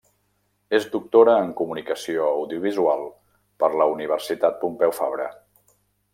És doctora en Comunicació Audiovisual per la Universitat Pompeu Fabra.